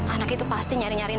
anak itu pasti nyari nyariin